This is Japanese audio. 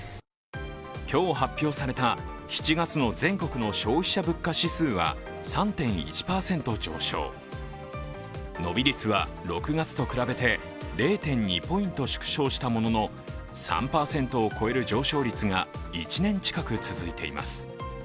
今日発表された７月の全国の消費者物価指数は３．１％上昇伸び率は６月と比べて０．２ポイント縮小したものの３％を超える上昇率が１年近く続いています。